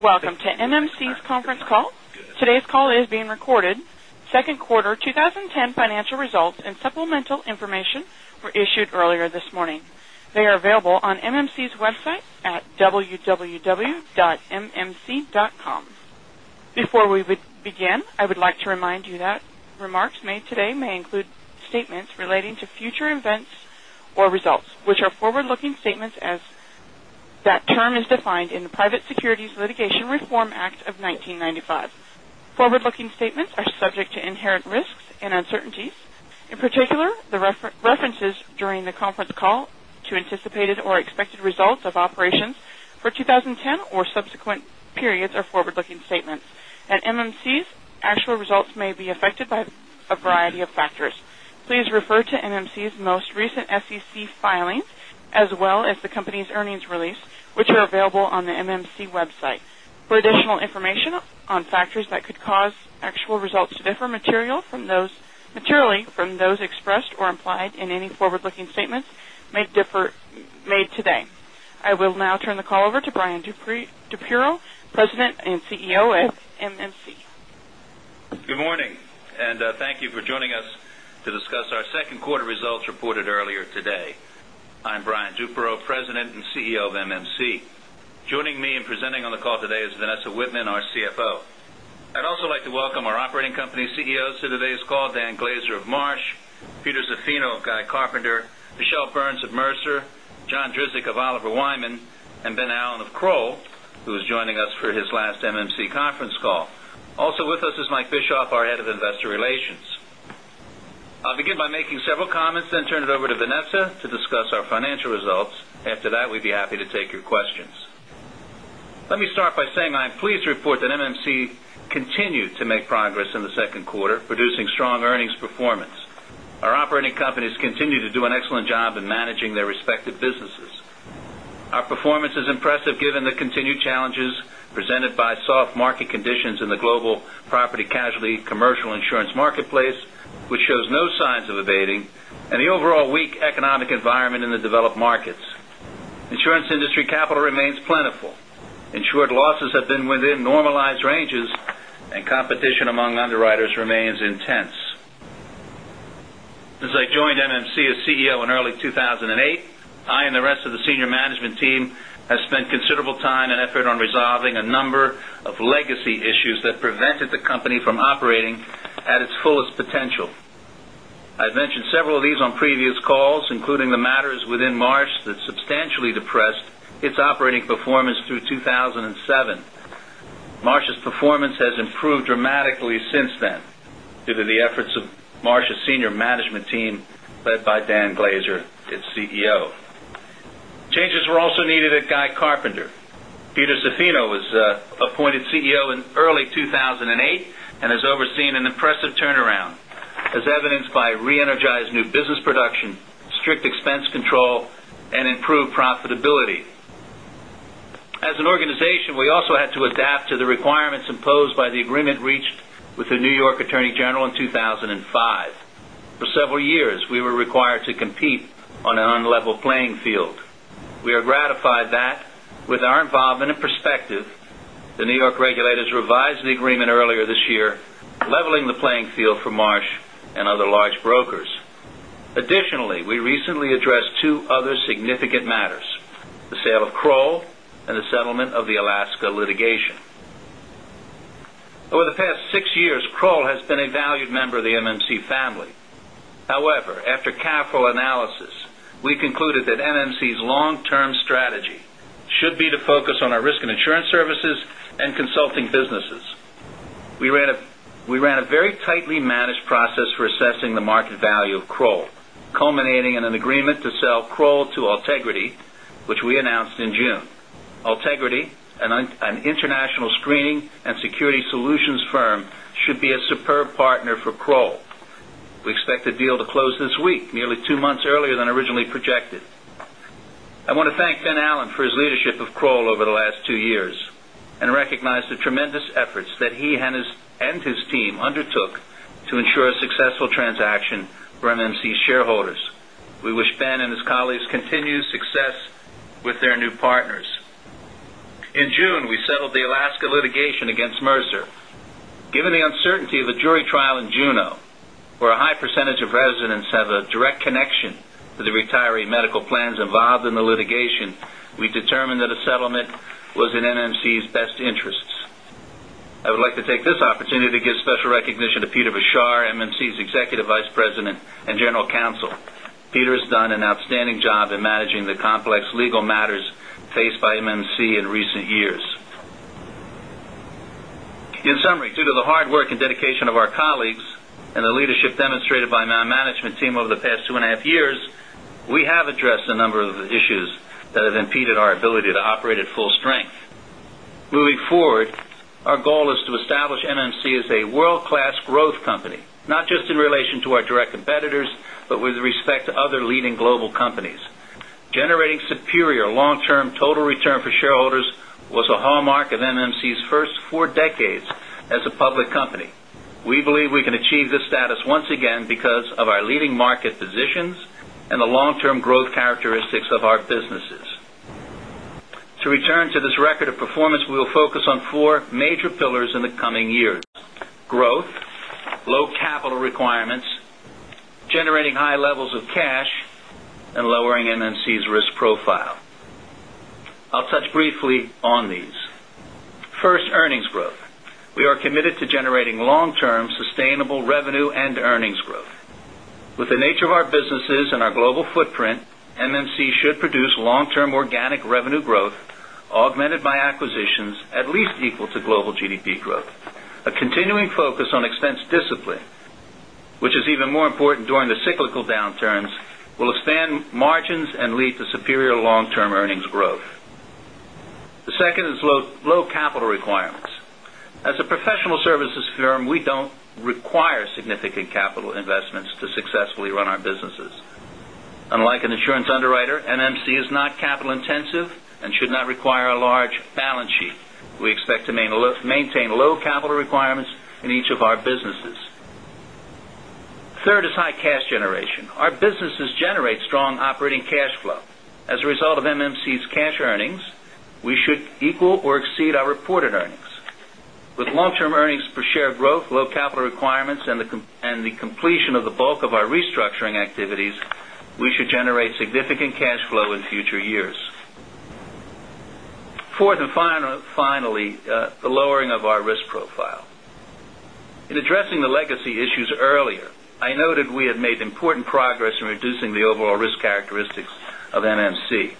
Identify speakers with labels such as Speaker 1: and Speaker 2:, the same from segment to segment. Speaker 1: Welcome to MMC's conference call. Today's call is being recorded. Second quarter 2010 financial results and supplemental information were issued earlier this morning. They are available on MMC's website at www.mmc.com. Before we begin, I would like to remind you that remarks made today may include statements relating to future events or results, which are forward-looking statements as that term is defined in the Private Securities Litigation Reform Act of 1995. Forward-looking statements are subject to inherent risks and uncertainties. In particular, the references during the conference call to anticipated or expected results of operations for 2010 or subsequent periods are forward-looking statements, and MMC's actual results may be affected by a variety of factors. Please refer to MMC's most recent SEC filings, as well as the company's earnings release, which are available on the MMC website, for additional information on factors that could cause actual results to differ materially from those expressed or implied in any forward-looking statements made today. I will now turn the call over to Brian Duperreault, President and CEO at MMC.
Speaker 2: Good morning. Thank you for joining us to discuss our second quarter results reported earlier today. I'm Brian Duperreault, President and CEO of MMC. Joining me and presenting on the call today is Vanessa Wittman, our CFO. I'd also like to welcome our operating company CEOs to today's call, Dan Glaser of Marsh, Peter Zaffino of Guy Carpenter, Michele Burns of Mercer, John Drzik of Oliver Wyman, and Ben Allen of Kroll, who is joining us for his last MMC conference call. Also with us is Michael Bischoff, our head of investor relations. I'll begin by making several comments. I turn it over to Vanessa to discuss our financial results. After that, we'd be happy to take your questions. Let me start by saying I'm pleased to report that MMC continued to make progress in the second quarter, producing strong earnings performance. Our operating companies continue to do an excellent job in managing their respective businesses. Our performance is impressive given the continued challenges presented by soft market conditions in the global property casualty commercial insurance marketplace, which shows no signs of abating, and the overall weak economic environment in the developed markets. Insurance industry capital remains plentiful. Insured losses have been within normalized ranges, and competition among underwriters remains intense. Since I joined MMC as CEO in early 2008, I and the rest of the senior management team have spent considerable time and effort on resolving a number of legacy issues that prevented the company from operating at its fullest potential. I've mentioned several of these on previous calls, including the matters within Marsh that substantially depressed its operating performance through 2007. Marsh's performance has improved dramatically since then due to the efforts of Marsh's senior management team, led by Dan Glaser, its CEO. Changes were also needed at Guy Carpenter. Peter Zaffino was appointed CEO in early 2008 and has overseen an impressive turnaround, as evidenced by re-energized new business production, strict expense control, and improved profitability. As an organization, we also had to adapt to the requirements imposed by the agreement reached with the New York Attorney General in 2005. For several years, we were required to compete on an unlevel playing field. We are gratified that with our involvement in perspective, the New York regulators revised the agreement earlier this year, leveling the playing field for Marsh and other large brokers. Additionally, we recently addressed two other significant matters, the sale of Kroll and the settlement of the Alaska litigation. Over the past six years, Kroll has been a valued member of the MMC family. However, after careful analysis, we concluded that MMC's long-term strategy should be to focus on our Risk and Insurance Services and consulting businesses. We ran a very tightly managed process for assessing the market value of Kroll, culminating in an agreement to sell Kroll to Altegrity, which we announced in June. Altegrity, an international screening and security solutions firm, should be a superb partner for Kroll. We expect the deal to close this week, nearly two months earlier than originally projected. I want to thank Ben Allen for his leadership of Kroll over the last two years and recognize the tremendous efforts that he and his team undertook to ensure a successful transaction for MMC shareholders. We wish Ben and his colleagues continued success with their new partners. In June, we settled the Alaska litigation against Mercer. Given the uncertainty of a jury trial in Juneau, where a high percentage of residents have a direct connection to the retiree medical plans involved in the litigation, we determined that a settlement was in MMC's best interests. I would like to take this opportunity to give special recognition to Peter Beshar, MMC's Executive Vice President and General Counsel. Peter has done an outstanding job in managing the complex legal matters faced by MMC in recent years. In summary, due to the hard work and dedication of our colleagues and the leadership demonstrated by my management team over the past two and a half years, we have addressed a number of issues that have impeded our ability to operate at full strength. Moving forward, our goal is to establish MMC as a world-class growth company, not just in relation to our direct competitors, but with respect to other leading global companies. Generating superior long-term total return for shareholders was a hallmark of MMC's first four decades as a public company. We believe we can achieve this status once again because of our leading market positions and the long-term growth characteristics of our businesses. To return to this record of performance, we will focus on four major pillars in the coming years: growth, low capital requirements, generating high levels of cash, and lowering MMC's risk profile. I'll touch briefly on these. First, earnings growth. We are committed to generating long-term sustainable revenue and earnings growth. With the nature of our businesses and our global footprint, MMC should produce long-term organic revenue growth augmented by acquisitions at least equal to global GDP growth. A continuing focus on expense discipline, which is even more important during the cyclical downturns, will expand margins and lead to superior long-term earnings growth. The second is low capital requirements. As a professional services firm, we don't require significant capital investments to successfully run our businesses. Unlike an insurance underwriter, MMC is not capital intensive and should not require a large balance sheet. We expect to maintain low capital requirements in each of our businesses. Third is high cash generation. Our businesses generate strong operating cash flow. As a result of MMC's cash earnings, we should equal or exceed our reported earnings. With long-term earnings per share growth, low capital requirements, and the completion of the bulk of our restructuring activities, we should generate significant cash flow in future years. Fourth and finally, the lowering of our risk profile. In addressing the legacy issues earlier, I noted we have made important progress in reducing the overall risk characteristics of MMC.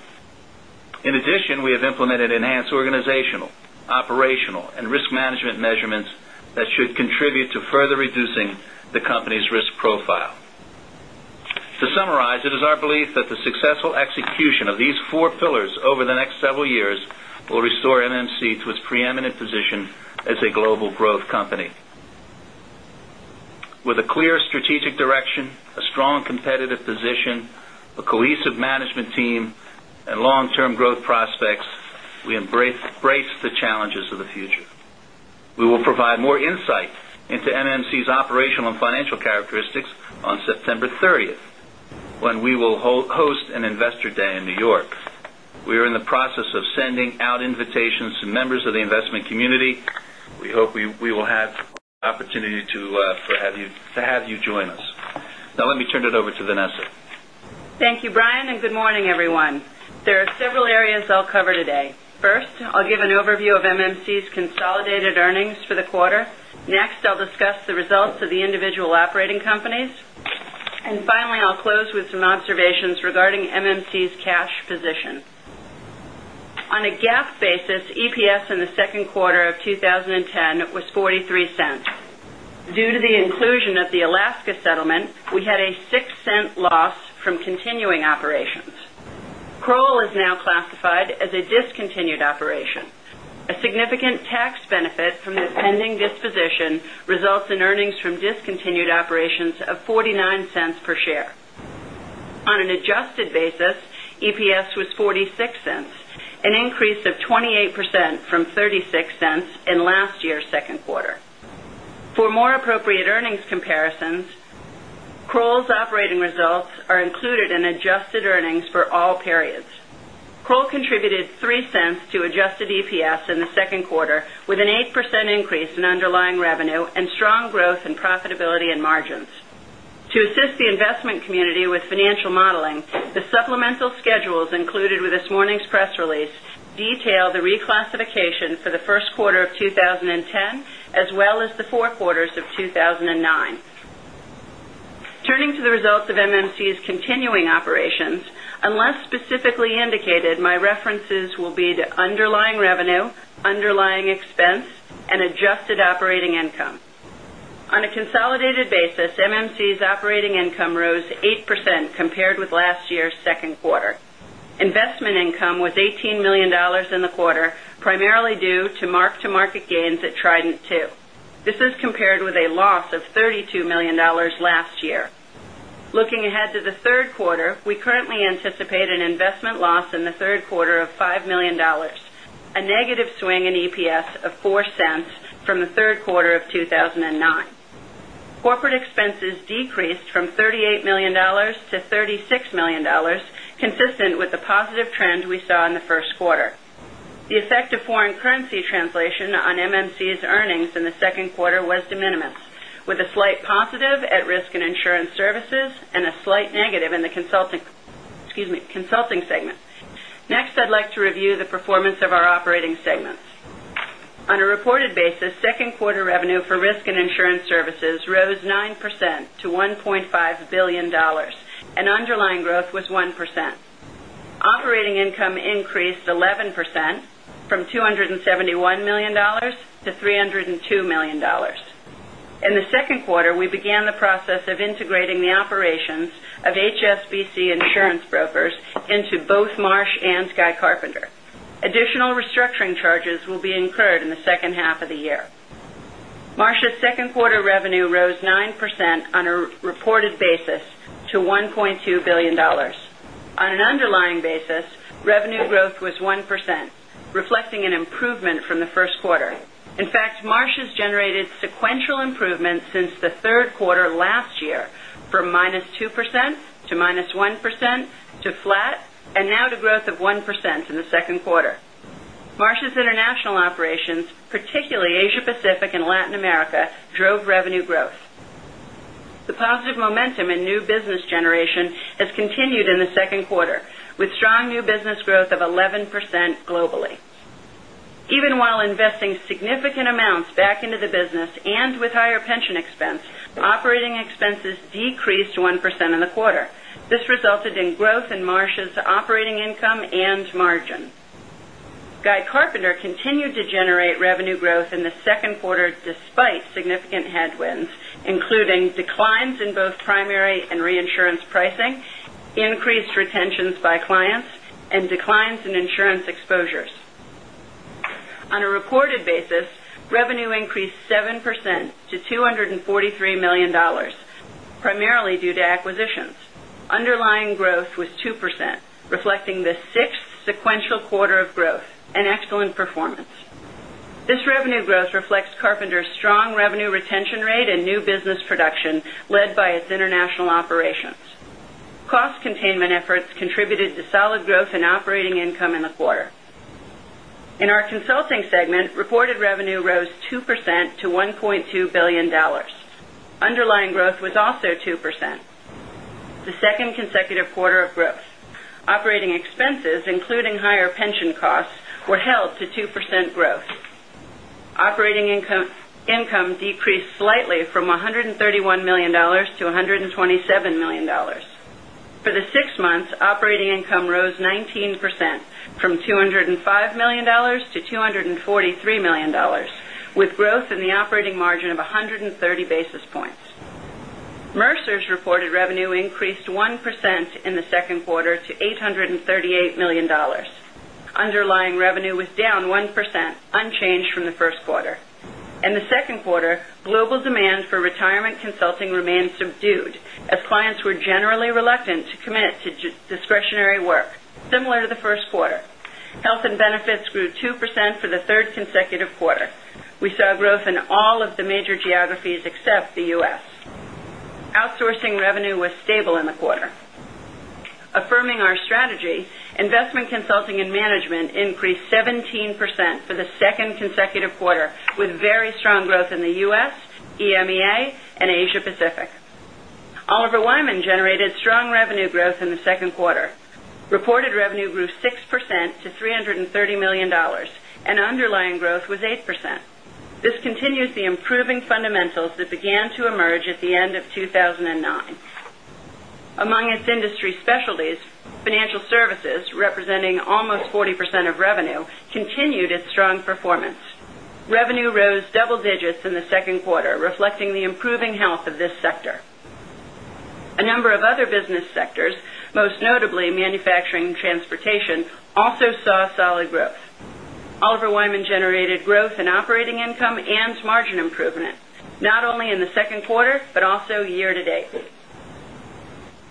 Speaker 2: In addition, we have implemented enhanced organizational, operational, and risk management measurements that should contribute to further reducing the company's risk profile. To summarize, it is our belief that the successful execution of these four pillars over the next several years will restore MMC to its preeminent position as a global growth company. With a clear strategic direction, a strong competitive position, a cohesive management team, and long-term growth prospects, we embrace the challenges of the future. We will provide more insight into MMC's operational and financial characteristics on September 30th, when we will host an investor day in N.Y. We are in the process of sending out invitations to members of the investment community. We hope we will have opportunity to have you join us. Now, let me turn it over to Vanessa.
Speaker 3: Thank you, Brian, and good morning, everyone. There are several areas I'll cover today. First, I'll give an overview of MMC's consolidated earnings for the quarter. Next, I'll discuss the results of the individual operating companies, and finally, I'll close with some observations regarding MMC's cash position. On a GAAP basis, EPS in the second quarter of 2010 was $0.43. Due to the inclusion of the Alaska settlement, we had a $0.06 loss from continuing operations. Kroll is now classified as a discontinued operation. A significant tax benefit from this pending disposition results in earnings from discontinued operations of $0.49 per share. On an adjusted basis, EPS was $0.46, an increase of 28% from $0.36 in last year's second quarter. For more appropriate earnings comparisons, Kroll's operating results are included in adjusted earnings for all periods. Kroll contributed $0.03 to adjusted EPS in the second quarter, with an 8% increase in underlying revenue and strong growth in profitability and margins. To assist the investment community with financial modeling, the supplemental schedules included with this morning's press release detail the reclassification for the first quarter of 2010, as well as the four quarters of 2009. Turning to the results of MMC's continuing operations, unless specifically indicated, my references will be to underlying revenue, underlying expense, and adjusted operating income. On a consolidated basis, MMC's operating income rose 8% compared with last year's second quarter. Investment income was $18 million in the quarter, primarily due to mark-to-market gains at Trident II, L.P. This is compared with a loss of $32 million last year. Looking ahead to the third quarter, we currently anticipate an investment loss in the third quarter of $5 million, a negative swing in EPS of $0.04 from the third quarter of 2009. Corporate expenses decreased from $38 million to $36 million, consistent with the positive trend we saw in the first quarter. The effect of foreign currency translation on MMC's earnings in the second quarter was de minimis, with a slight positive at Risk and Insurance Services and a slight negative in the Consulting segment. I'd like to review the performance of our operating segments. On a reported basis, second quarter revenue for Risk and Insurance Services rose 9% to $1.5 billion, and underlying growth was 1%. Operating income increased 11%, from $271 million to $302 million. In the second quarter, we began the process of integrating the operations of HSBC Insurance Brokers Limited into both Marsh & Guy Carpenter. Additional restructuring charges will be incurred in the second half of the year. Marsh's second quarter revenue rose 9% on a reported basis to $1.2 billion. On an underlying basis, revenue growth was 1%, reflecting an improvement from the first quarter. In fact, Marsh has generated sequential improvements since the third quarter last year, from -2% to -1% to flat, and now to growth of 1% in the second quarter. Marsh's international operations, particularly Asia Pacific and Latin America, drove revenue growth. The positive momentum in new business generation has continued in the second quarter, with strong new business growth of 11% globally. Even while investing significant amounts back into the business and with higher pension expense, operating expenses decreased 1% in the quarter. This resulted in growth in Marsh's operating income and margin. Guy Carpenter continued to generate revenue growth in the second quarter despite significant headwinds, including declines in both primary and reinsurance pricing, increased retentions by clients, and declines in insurance exposures. On a reported basis, revenue increased 7% to $243 million, primarily due to acquisitions. Underlying growth was 2%, reflecting the sixth sequential quarter of growth, an excellent performance. This revenue growth reflects Carpenter's strong revenue retention rate and new business production led by its international operations. Cost containment efforts contributed to solid growth in operating income in the quarter. In our Consulting segment, reported revenue rose 2% to $1.2 billion. Underlying growth was also 2%, the second consecutive quarter of growth. Operating expenses, including higher pension costs, were held to 2% growth. Operating income decreased slightly from $131 million to $127 million. For the six months, operating income rose 19%, from $205 million to $243 million, with growth in the operating margin of 130 basis points. Mercer's reported revenue increased 1% in the second quarter to $838 million. Underlying revenue was down 1%, unchanged from the first quarter. In the second quarter, global demand for retirement consulting remained subdued as clients were generally reluctant to commit to discretionary work, similar to the first quarter. Health and benefits grew 2% for the third consecutive quarter. We saw growth in all of the major geographies except the U.S. Outsourcing revenue was stable in the quarter. Affirming our strategy, investment consulting and management increased 17% for the second consecutive quarter, with very strong growth in the U.S., EMEA, and Asia Pacific. Oliver Wyman generated strong revenue growth in the second quarter. Reported revenue grew 6% to $330 million, and underlying growth was 8%. This continues the improving fundamentals that began to emerge at the end of 2009. Among its industry specialties, financial services, representing almost 40% of revenue, continued its strong performance. Revenue rose double digits in the second quarter, reflecting the improving health of this sector. A number of other business sectors, most notably manufacturing and transportation, also saw solid growth. Oliver Wyman generated growth in operating income and margin improvement, not only in the second quarter, but also year-to-date.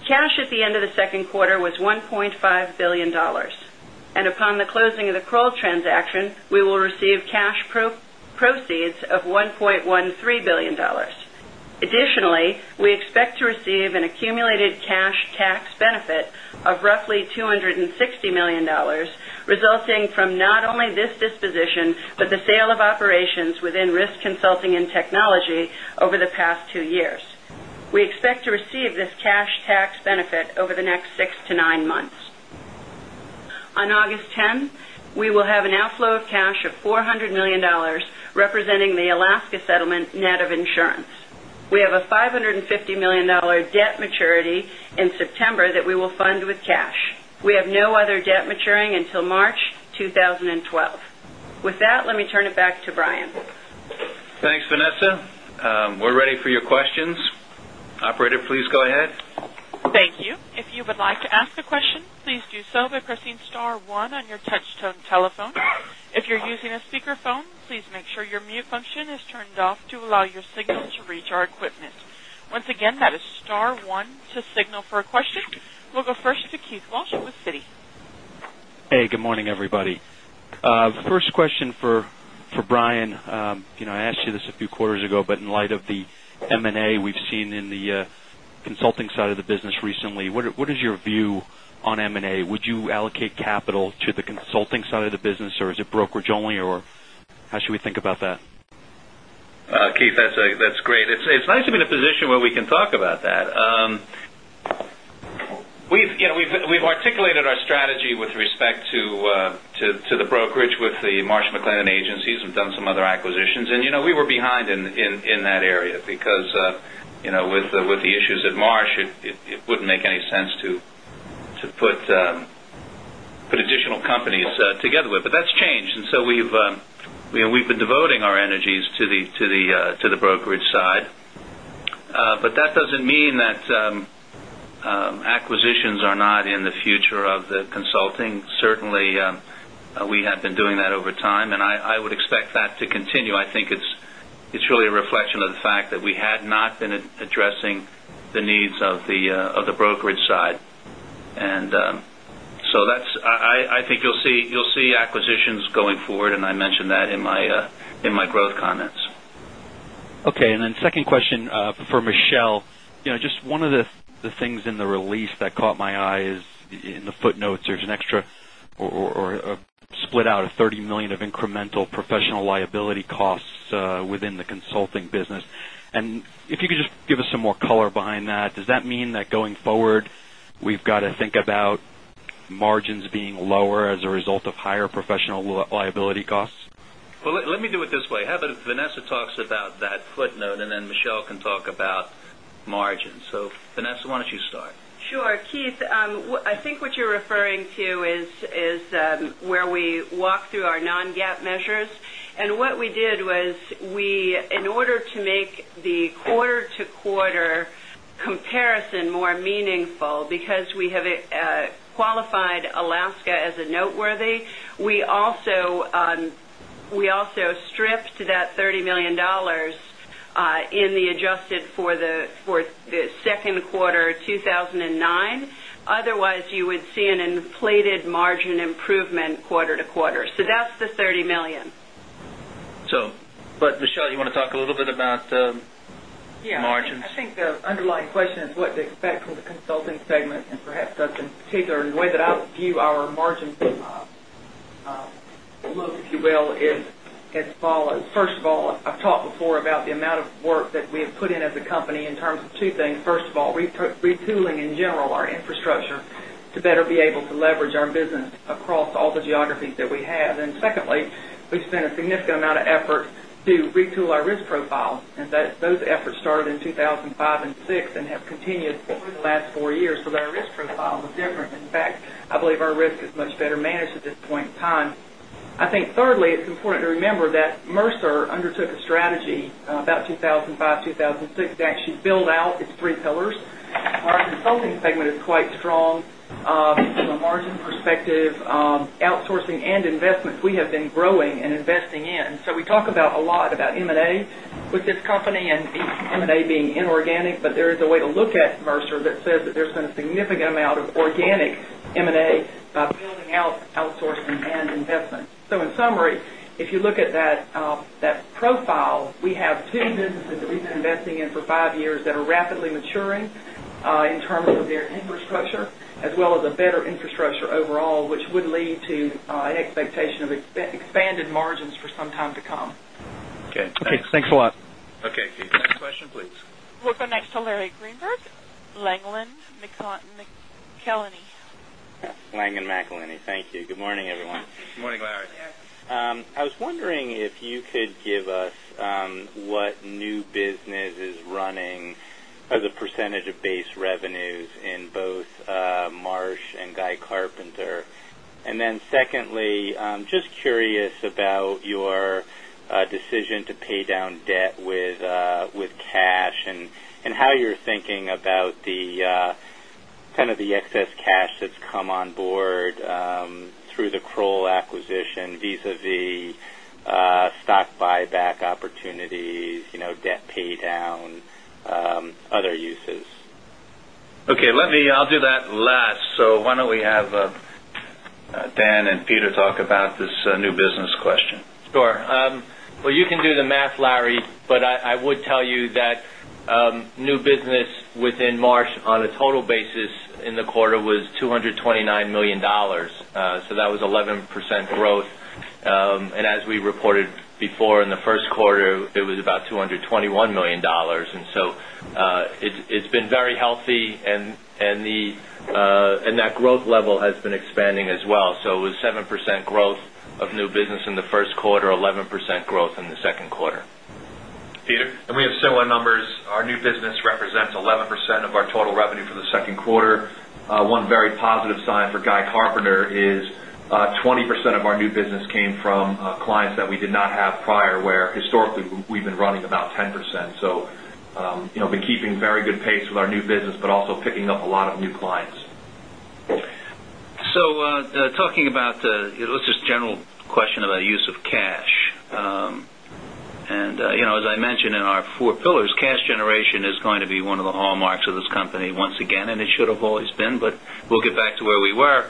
Speaker 3: Cash at the end of the second quarter was $1.5 billion, and upon the closing of the Kroll transaction, we will receive cash proceeds of $1.13 billion. Additionally, we expect to receive an accumulated cash tax benefit of roughly $260 million, resulting from not only this disposition, but the sale of operations within risk consulting and technology over the past two years. We expect to receive this cash tax benefit over the next six to nine months. On August 10th, we will have an outflow of cash of $400 million, representing the Alaska settlement net of insurance. We have a $550 million debt maturity in September that we will fund with cash. We have no other debt maturing until March 2012. With that, let me turn it back to Brian.
Speaker 2: Thanks, Vanessa. We're ready for your questions. Operator, please go ahead.
Speaker 1: Thank you. If you would like to ask a question, please do so by pressing star one on your touchtone telephone. If you're using a speakerphone, please make sure your mute function is turned off to allow your signal to reach our equipment. Once again, that is star one to signal for a question. We'll go first to Keith Walsh with Citi.
Speaker 4: Hey, good morning, everybody. First question for Brian. I asked you this a few quarters ago, in light of the M&A we've seen in the consulting side of the business recently, what is your view on M&A? Would you allocate capital to the consulting side of the business, or is it brokerage only, or how should we think about that?
Speaker 2: Keith, that's great. It's nice to be in a position where we can talk about that. We've articulated our strategy with respect to the brokerage with the Marsh & McLennan Agency. We've done some other acquisitions, we were behind in that area because with the issues at Marsh, it wouldn't make any sense to put additional companies together with. That's changed, we've been devoting our energies to the brokerage side. That doesn't mean that acquisitions are not in the future of the consulting. Certainly, we have been doing that over time, and I would expect that to continue. I think It's really a reflection of the fact that we had not been addressing the needs of the brokerage side. I think you'll see acquisitions going forward, and I mentioned that in my growth comments.
Speaker 4: Okay, second question for Michelle. Just one of the things in the release that caught my eye is in the footnotes, there's an extra or a split out of $30 million of incremental professional liability costs within the consulting business. If you could just give us some more color behind that. Does that mean that going forward, we've got to think about margins being lower as a result of higher professional liability costs?
Speaker 2: Let me do it this way. How about if Vanessa talks about that footnote, and then Michelle can talk about margins. Vanessa, why don't you start?
Speaker 3: Sure. Keith, I think what you're referring to is where we walk through our non-GAAP measures. What we did was, in order to make the quarter-to-quarter comparison more meaningful, because we have qualified Alaska as a noteworthy, we also stripped that $30 million in the adjusted for the second quarter 2009. Otherwise, you would see an inflated margin improvement quarter-to-quarter. That's the $30 million.
Speaker 2: Michelle, you want to talk a little bit about margins?
Speaker 5: Yeah. I think the underlying question is what to expect from the consulting segment and perhaps us in particular. The way that I view our margin look, if you will, is as follows. First of all, I've talked before about the amount of work that we have put in as a company in terms of two things. First of all, retooling in general, our infrastructure to better be able to leverage our business across all the geographies that we have. Secondly, we've spent a significant amount of effort to retool our risk profile, and those efforts started in 2005 and 2006 and have continued over the last four years. Our risk profile is different. In fact, I believe our risk is much better managed at this point in time. I think thirdly, it's important to remember that Mercer undertook a strategy in about 2005, 2006, to actually build out its three pillars. Our consulting segment is quite strong from a margin perspective. Outsourcing and investments we have been growing and investing in. We talk about a lot about M&A with this company and M&A being inorganic, but there is a way to look at Mercer that says that there's been a significant amount of organic M&A by building out outsourcing and investment. In summary, if you look at that profile, we have two businesses that we've been investing in for five years that are rapidly maturing in terms of their infrastructure as well as a better infrastructure overall, which would lead to an expectation of expanded margins for some time to come.
Speaker 2: Okay, thanks.
Speaker 4: Thanks a lot.
Speaker 2: Okay, Keith, next question, please.
Speaker 1: We'll go next to Larry Greenberg, Langen McAlenney.
Speaker 6: Langen McAlenney. Thank you. Good morning, everyone.
Speaker 2: Good morning, Larry.
Speaker 6: I was wondering if you could give us what new business is running as a % of base revenues in both Marsh and Guy Carpenter. Secondly, just curious about your decision to pay down debt with cash and how you're thinking about the excess cash that's come on board through the Kroll acquisition vis-a-vis stock buyback opportunities, debt pay down, other uses.
Speaker 2: Okay. I'll do that last. Why don't we have Dan and Peter talk about this new business question?
Speaker 7: Sure. Well, you can do the math, Larry, but I would tell you that new business within Marsh on a total basis in the quarter was $229 million. That was 11% growth. As we reported before in the first quarter, it was about $221 million. It's been very healthy, and that growth level has been expanding as well. It was 7% growth of new business in the first quarter, 11% growth in the second quarter.
Speaker 2: Peter?
Speaker 8: We have similar numbers. Our new business represents 11% of our total revenue for the second quarter. One very positive sign for Guy Carpenter is 20% of our new business came from clients that we did not have prior, where historically we've been running about 10%. We've been keeping very good pace with our new business, but also picking up a lot of new clients.
Speaker 2: Talking about, let's just general question about use of cash. As I mentioned in our four pillars, cash generation is going to be one of the hallmarks of this company once again, and it should have always been, but we'll get back to where we were.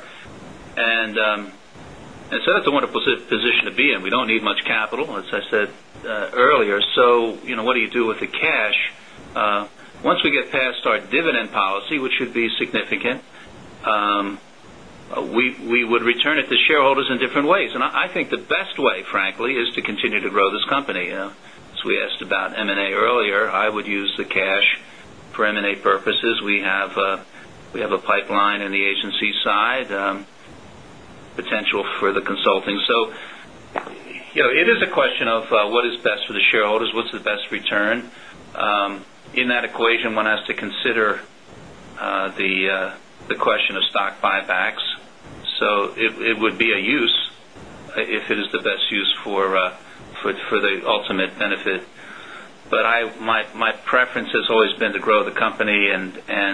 Speaker 2: That's a wonderful position to be in. We don't need much capital, as I said earlier. What do you do with the cash? Once we get past our dividend policy, which should be significant, we would return it to shareholders in different ways. I think the best way, frankly, is to continue to grow this company. As we asked about M&A earlier, I would use the cash for M&A purposes. We have a pipeline in the agency side, potential for the consulting. It is a question of what is best for the shareholders, what's the best return? In that equation, one has to consider the question of stock buybacks. It would be a use if it is the best use for the ultimate benefit My preference has always been to grow the company and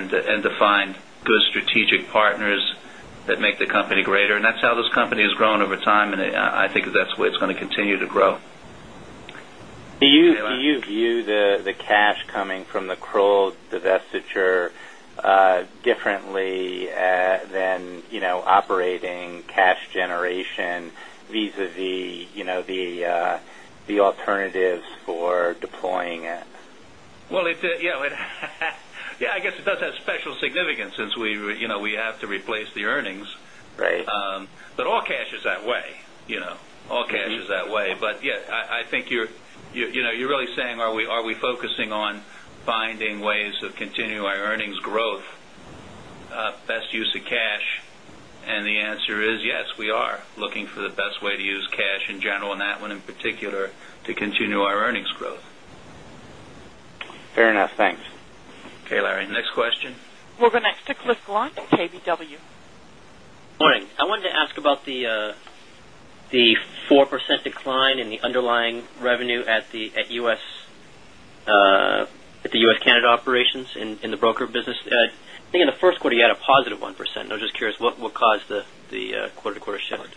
Speaker 2: to find good strategic partners that make the company greater. That's how this company has grown over time, and I think that's the way it's going to continue to grow.
Speaker 6: Do you view the cash coming from the Kroll divestiture differently than operating cash generation vis-a-vis the alternatives for deploying it?
Speaker 2: I guess it does have special significance since we have to replace the earnings. Right. All cash is that way. I think you're really saying, are we focusing on finding ways to continue our earnings growth, best use of cash? The answer is yes, we are looking for the best way to use cash in general, and that one in particular, to continue our earnings growth.
Speaker 6: Fair enough. Thanks.
Speaker 2: Okay, Larry. Next question.
Speaker 1: We'll go next to Cliff Gallant, KBW.
Speaker 9: Morning. I wanted to ask about the 4% decline in the underlying revenue at the U.S.-Canada operations in the broker business. I think in the first quarter, you had a positive 1%, and I was just curious what caused the quarter-to-quarter shift.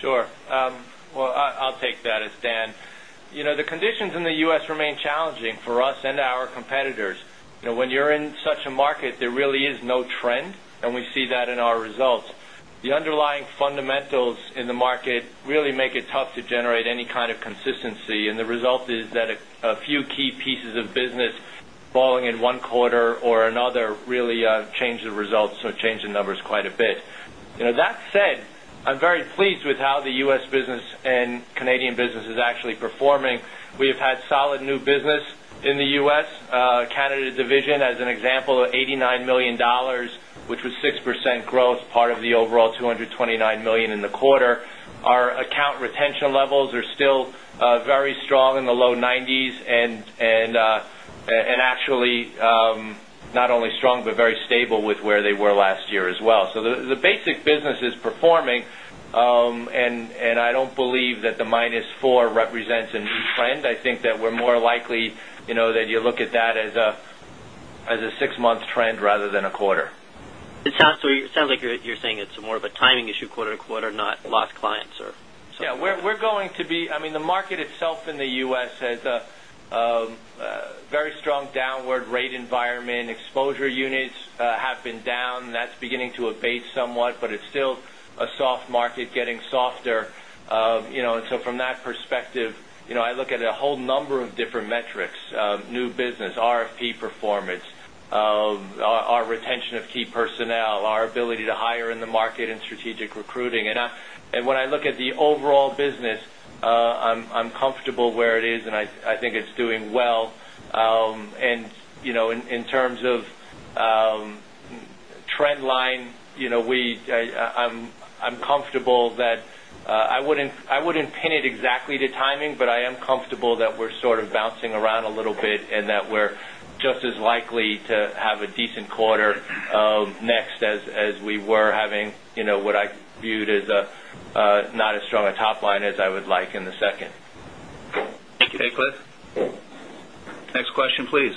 Speaker 7: Sure. Well, I'll take that. It's Dan. The conditions in the U.S. remain challenging for us and our competitors. When you're in such a market, there really is no trend, and we see that in our results. The underlying fundamentals in the market really make it tough to generate any kind of consistency, and the result is that a few key pieces of business falling in one quarter or another really change the results or change the numbers quite a bit. That said, I'm very pleased with how the U.S. business and Canadian business is actually performing. We have had solid new business in the U.S. Canada division, as an example, $89 million, which was 6% growth, part of the overall $229 million in the quarter. Our account retention levels are still very strong in the low 90s, and actually not only strong, but very stable with where they were last year as well. The basic business is performing, and I don't believe that the minus four represents a new trend. I think that we're more likely that you look at that as a six-month trend rather than a quarter.
Speaker 9: It sounds like you're saying it's more of a timing issue quarter-to-quarter, not lost clients or something.
Speaker 2: The market itself in the U.S. has a very strong downward rate environment. Exposure units have been down. That's beginning to abate somewhat, but it's still a soft market getting softer. From that perspective, I look at a whole number of different metrics. New business, RFP performance, our retention of key personnel, our ability to hire in the market and strategic recruiting. When I look at the overall business, I'm comfortable where it is, and I think it's doing well. In terms of trend line, I wouldn't pin it exactly to timing, but I am comfortable that we're sort of bouncing around a little bit and that we're just as likely to have a decent quarter next as we were having what I viewed as not as strong a top line as I would like in the second. Thank you. Okay, Cliff. Next question, please.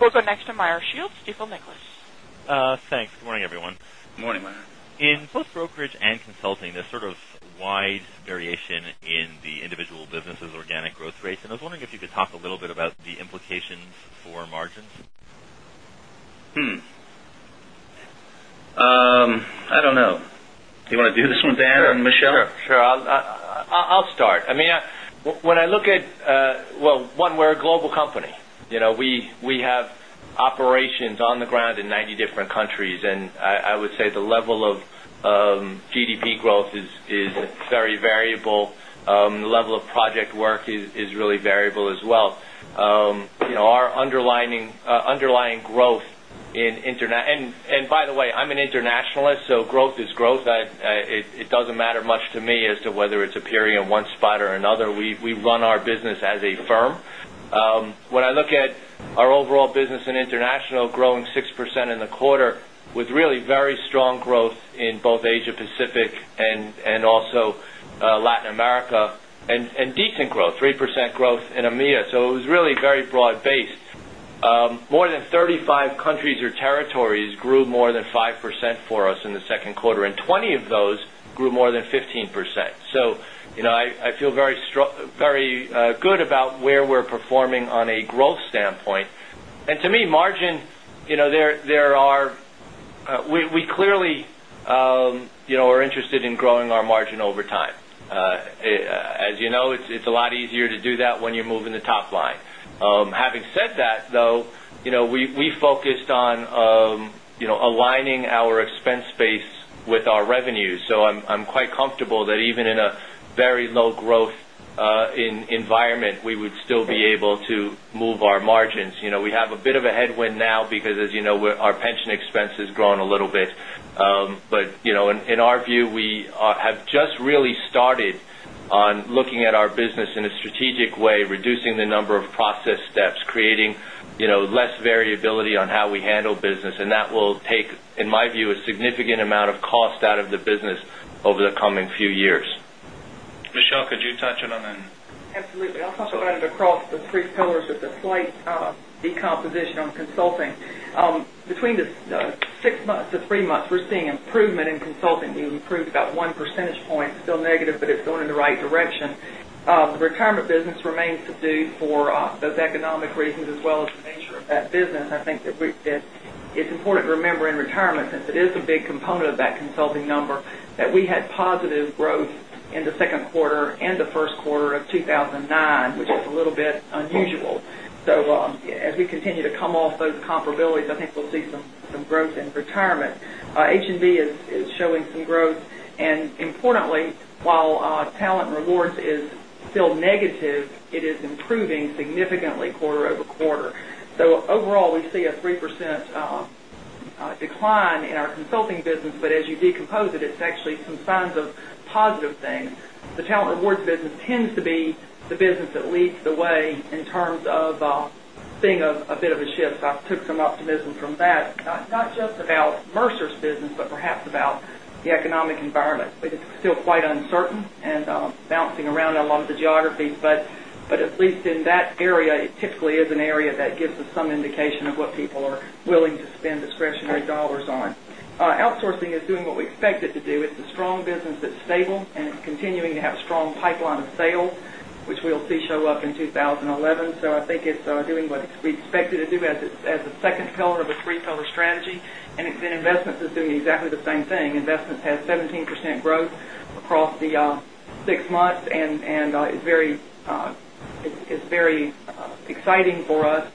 Speaker 1: We'll go next to Meyer Shields, Stifel Nicolaus.
Speaker 10: Thanks. Good morning, everyone.
Speaker 2: Good morning, Meyer.
Speaker 10: In both brokerage and consulting, there's sort of wide variation in the individual businesses' organic growth rates, and I was wondering if you could talk a little bit about the implications for margins.
Speaker 2: I don't know. Do you want to do this one, Dan or Michelle?
Speaker 7: Sure. I'll start. One, we're a global company. We have operations on the ground in 90 different countries. I would say the level of GDP growth is very variable. The level of project work is really variable as well. Our underlying growth in international-- by the way, I'm an internationalist, so growth is growth. It doesn't matter much to me as to whether it's appearing in one spot or another. We run our business as a firm. When I look at our overall business in international growing 6% in the quarter with really very strong growth in both Asia-Pacific and also Latin America. Decent growth, 3% growth in EMEA. It was really very broad-based. More than 35 countries or territories grew more than 5% for us in the second quarter. 20 of those grew more than 15%. I feel very good about where we're performing on a growth standpoint. To me, margin, we clearly are interested in growing our margin over time. As you know, it's a lot easier to do that when you're moving the top line. Having said that, though, we focused on aligning our expense base with our revenues. I'm quite comfortable that even in a very low-growth environment, we would still be able to move our margins. We have a bit of a headwind now because as you know, our pension expense has grown a little bit. In our view, we have just really started on looking at our business in a strategic way, reducing the number of process steps, creating less variability on how we handle business, and that will take, in my view, a significant amount of cost out of the business over the coming few years.
Speaker 2: Michele, could you touch on them?
Speaker 5: Absolutely. I'll talk about it across the three pillars with a slight decomposition on consulting. Between the six months to three months, we're seeing improvement in consulting. We improved about one percentage point, still negative, but it's going in the right direction. The retirement business remains subdued for both economic reasons as well as the nature of that business. I think that it's important to remember in retirement, since it is a big component of that consulting number, that we had positive growth in the second quarter and the first quarter of 2009, which is a little bit unusual. As we continue to come off those comparabilities, I think we'll see some growth in retirement. H&B is showing some growth. Importantly, while talent rewards is still negative, it is improving significantly quarter-over-quarter. Overall, we see a 3% decline in our consulting business, but as you decompose it is actually some signs of positive things. The talent rewards business tends to be the business that leads the way in terms of seeing a bit of a shift. I took some optimism from that, not just about Mercer’s business, but perhaps about the economic environment. It is still quite uncertain and bouncing around along the geographies, but at least in that area, it typically is an area that gives us some indication of what people are willing to spend discretionary dollars on. Outsourcing is doing what we expect it to do. It is a strong business that is stable, and it is continuing to have strong pipeline of sales, which we will see show up in 2011. I think it is doing what we expect it to do as a second pillar of a three-pillar strategy. Investments is doing exactly the same thing. Investments had 17% growth across the six months, and it is very exciting for us,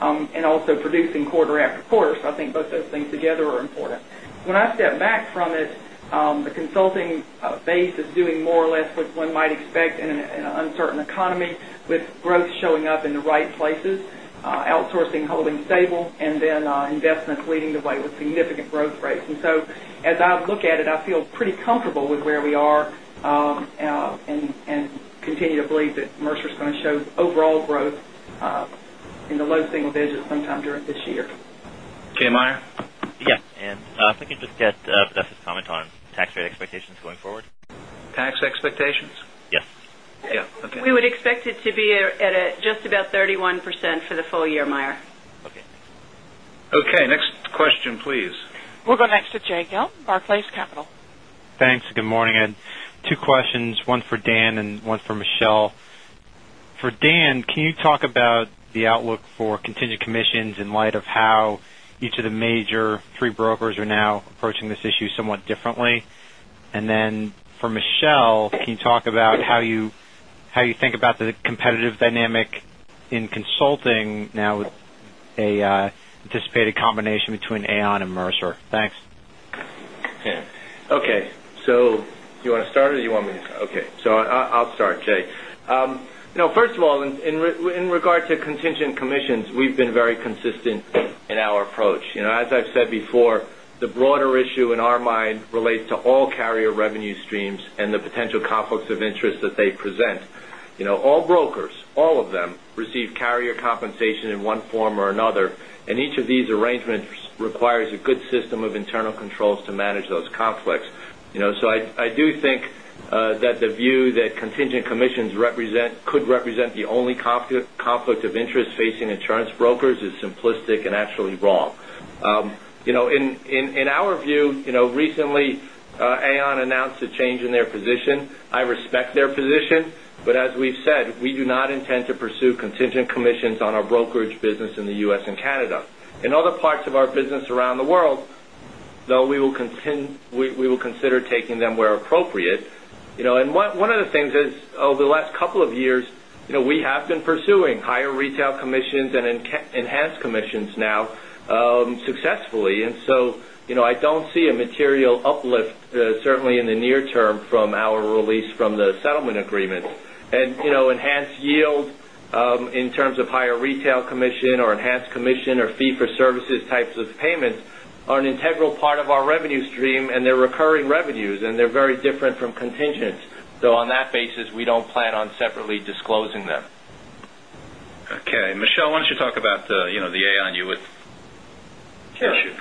Speaker 5: and also producing quarter after quarter. I think both those things together are important. When I step back from it, the consulting base is doing more or less what one might expect in an uncertain economy, with growth showing up in the right places, outsourcing holding stable, and investments leading the way with significant growth rates. As I look at it, I feel pretty comfortable with where we are and continue to believe that Mercer is going to show overall growth in the low single digits sometime during this year.
Speaker 2: Meyer?
Speaker 10: Yes, if I could just get Vanessa’s comment on tax rate expectations going forward.
Speaker 2: Tax expectations?
Speaker 10: Yes.
Speaker 3: We would expect it to be at just about 31% for the full year, Meyer.
Speaker 10: Okay, thanks.
Speaker 2: Okay. Next question, please.
Speaker 1: We'll go next to Jay Gelb, Barclays Capital.
Speaker 11: Thanks. Good morning. I had two questions, one for Dan and one for Michelle. For Dan, can you talk about the outlook for contingent commissions in light of how each of the major three brokers are now approaching this issue somewhat differently? For Michelle, can you talk about how you think about the competitive dynamic in consulting now with a anticipated combination between Aon and Mercer? Thanks.
Speaker 2: Dan?
Speaker 7: Okay. I'll start, Jay. First of all, in regard to contingent commissions, we've been very consistent in our approach. As I've said before, the broader issue in our mind relates to all carrier revenue streams and the potential conflicts of interest that they present. All brokers, all of them, receive carrier compensation in one form or another, and each of these arrangements requires a good system of internal controls to manage those conflicts. I do think that the view that contingent commissions could represent the only conflict of interest facing insurance brokers is simplistic and actually wrong. In our view, recently, Aon announced a change in their position. I respect their position, but as we've said, we do not intend to pursue contingent commissions on our brokerage business in the U.S. and Canada. In other parts of our business around the world, though, we will consider taking them where appropriate. One of the things is, over the last couple of years, we have been pursuing higher retail commissions and enhanced commissions now successfully. I don't see a material uplift, certainly in the near term, from our release from the settlement agreement. Enhanced yield in terms of higher retail commission or enhanced commission or fee for services types of payments are an integral part of our revenue stream, and they're recurring revenues, and they're very different from contingents. On that basis, we don't plan on separately disclosing them.
Speaker 2: Okay. Michelle, why don't you talk about the Aon Hewitt issue?
Speaker 5: Sure.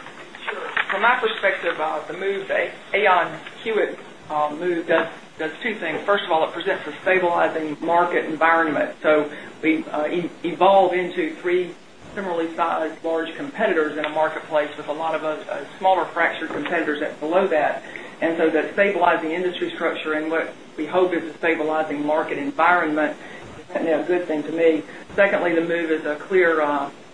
Speaker 5: From my perspective, the Aon Hewitt move does two things. First of all, it presents a stabilizing market environment. We evolve into three similarly sized large competitors in a marketplace with a lot of smaller fractured competitors below that. That stabilizing industry structure and what we hope is a stabilizing market environment is a good thing to me. Secondly, the move is a clear,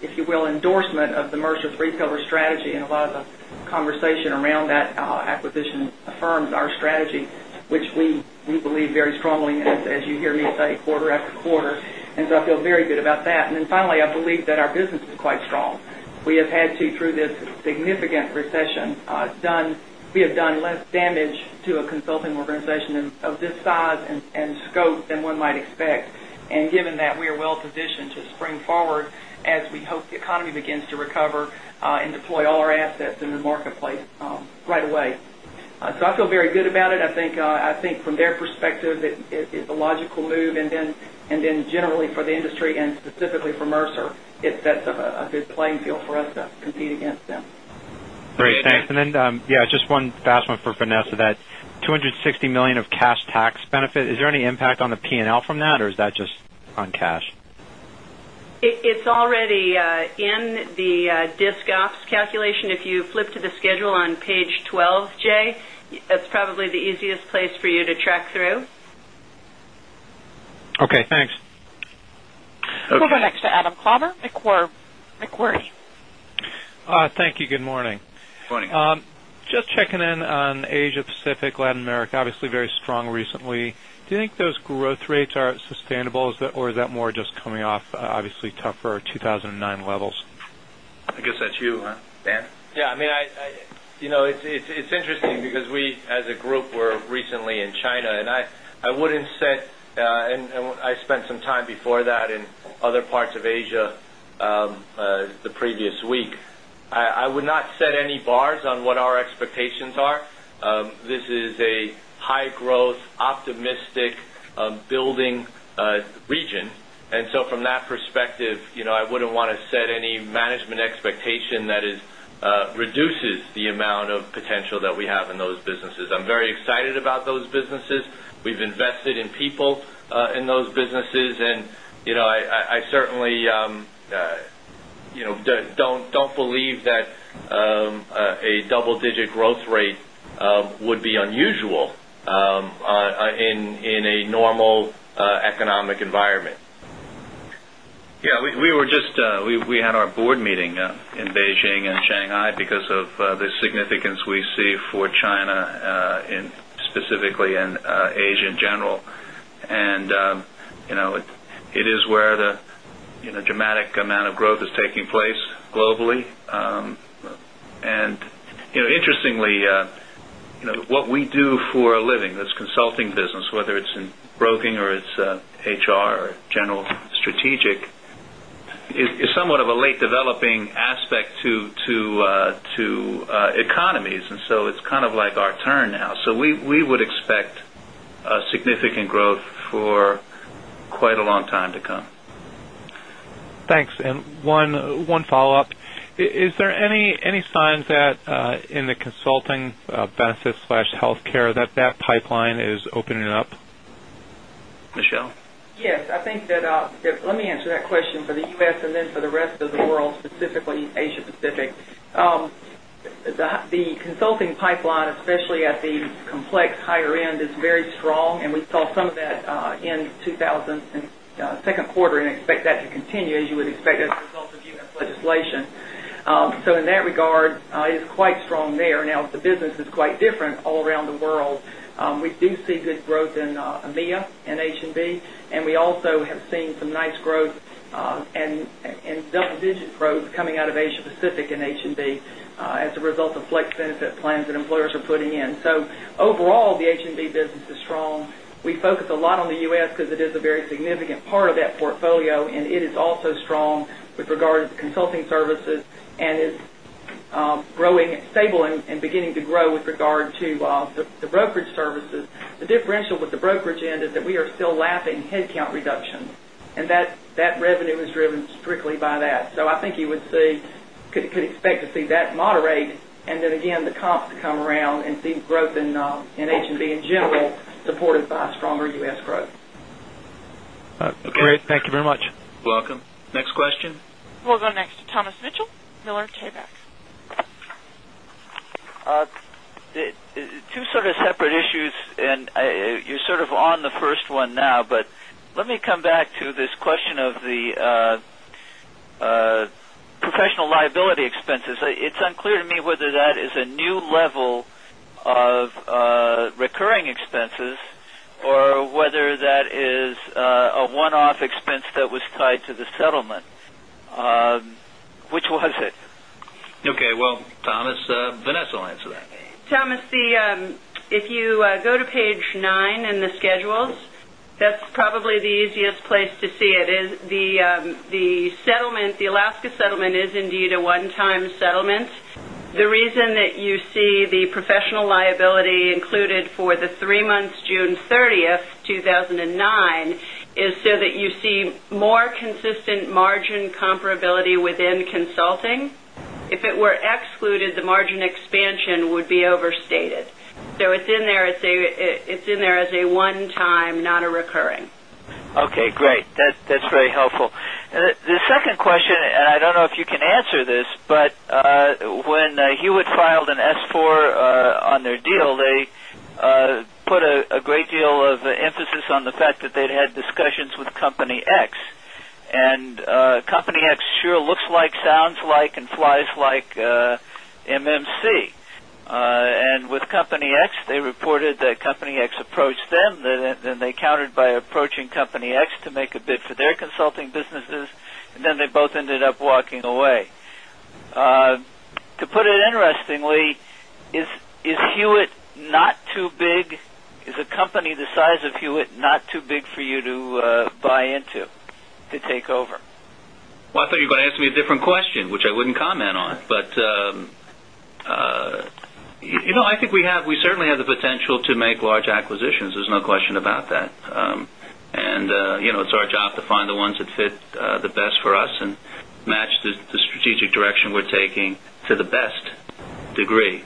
Speaker 5: if you will, endorsement of the Mercer three-pillar strategy, and a lot of the conversation around that acquisition affirms our strategy, which we believe very strongly in, as you hear me say quarter after quarter. I feel very good about that. Finally, I believe that our business is quite strong. We have had to, through this significant recession, we have done less damage to a consulting organization of this size and scope than one might expect. Given that, we are well positioned to spring forward as we hope the economy begins to recover and deploy all our assets in the marketplace right away. I feel very good about it. I think from their perspective, it's a logical move. Generally for the industry and specifically for Mercer, it sets up a good playing field for us to compete against them.
Speaker 11: Great. Thanks. Just one last one for Vanessa. That $260 million of cash tax benefit, is there any impact on the P&L from that, or is that just on cash?
Speaker 3: It's already in the disc ops calculation. If you flip to the schedule on page 12, Jay, that's probably the easiest place for you to track through.
Speaker 11: Okay, thanks.
Speaker 1: We'll go next to Adam Klauber, Macquarie.
Speaker 12: Thank you. Good morning.
Speaker 2: Good morning.
Speaker 12: Just checking in on Asia Pacific, Latin America, obviously very strong recently. Do you think those growth rates are sustainable? Is that more just coming off, obviously tougher 2009 levels?
Speaker 2: I guess that's you, huh, Dan?
Speaker 7: Yeah. It's interesting because we, as a group, were recently in China, and I spent some time before that in other parts of Asia the previous week. I would not set any bars on what our expectations are. This is a high-growth, optimistic building region. From that perspective, I wouldn't want to set any management expectation that reduces the amount of potential that we have in those businesses. I'm very excited about those businesses. We've invested in people in those businesses, and I certainly don't believe that a double-digit growth rate would be unusual in a normal economic environment.
Speaker 2: Yeah, we had our board meeting in Beijing and Shanghai because of the significance we see for China, specifically, and Asia in general. It is where the dramatic amount of growth is taking place globally. Interestingly, what we do for a living, this consulting business, whether it's in broking or it's HR or general strategic, is somewhat of a late developing aspect to economies. It's kind of like our turn now. We would expect significant growth for quite a long time to come.
Speaker 12: Thanks. One follow-up. Is there any signs that in the consulting benefit/healthcare, that pipeline is opening up?
Speaker 2: Michelle?
Speaker 5: Yes. Let me answer that question for the U.S. and then for the rest of the world, specifically Asia Pacific. The consulting pipeline, especially at the complex higher end, is very strong. We saw some of that in the second quarter and expect that to continue, as you would expect, as a result of U.S. legislation. In that regard, it's quite strong there. The business is quite different all around the world. We do see good growth in EMEA and H&B. We also have seen some nice growth and double-digit growth coming out of Asia Pacific and H&B as a result of flex benefit plans that employers are putting in. Overall, the H&B business is strong. We focus a lot on the U.S. because it is a very significant part of that portfolio. It is also strong with regard to consulting services. It's stable and beginning to grow with regard to the brokerage services. The differential with the brokerage end is that we are still lapping headcount reductions. That revenue is driven strictly by that. I think you could expect to see that moderate and then again, the comps to come around and see growth in H&B in general, supported by stronger U.S. growth.
Speaker 12: Great. Thank you very much.
Speaker 2: Welcome. Next question.
Speaker 1: We'll go next to Thomas Mitchell, Miller Tabak.
Speaker 13: Two sort of separate issues, and you're sort of on the first one now, but let me come back to this question of the professional liability expenses. It's unclear to me whether that is a new level of recurring expenses or whether that is a one-off expense that was tied to the settlement. Which was it?
Speaker 2: Okay. Well, Thomas, Vanessa will answer that.
Speaker 3: Thomas, if you go to page nine in the schedules, that's probably the easiest place to see it. The Alaska settlement is indeed a one-time settlement. The reason that you see the professional liability included for the three months, June 30th, 2009, is so that you see more consistent margin comparability within consulting. If it were excluded, the margin expansion would be overstated. It's in there as a one-time, not a recurring.
Speaker 13: Okay, great. That's very helpful. The second question, I don't know if you can answer this, but when Hewitt filed an S-4 on their deal, they put a great deal of emphasis on the fact that they'd had discussions with Company X. Company X sure looks like, sounds like, and flies like MMC. With Company X, they reported that Company X approached them, they countered by approaching Company X to make a bid for their consulting businesses, and they both ended up walking away. To put it interestingly, is a company the size of Hewitt not too big for you to buy into, to take over?
Speaker 2: Well, I thought you were going to ask me a different question, which I wouldn't comment on. I think we certainly have the potential to make large acquisitions. There's no question about that. It's our job to find the ones that fit the best for us and match the strategic direction we're taking to the best degree.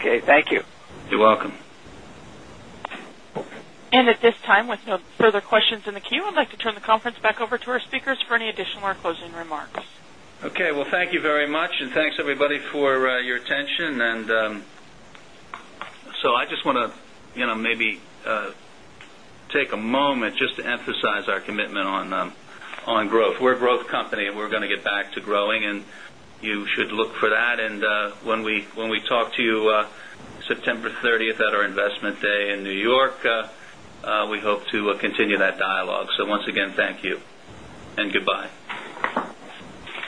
Speaker 13: Okay. Thank you.
Speaker 2: You're welcome.
Speaker 1: At this time, with no further questions in the queue, I'd like to turn the conference back over to our speakers for any additional or closing remarks.
Speaker 2: Okay. Thank you very much, and thanks everybody for your attention. I just want to maybe take a moment just to emphasize our commitment on growth. We're a growth company, and we're going to get back to growing, and you should look for that. When we talk to you September 30th at our investment day in New York, we hope to continue that dialogue. Once again, thank you and goodbye.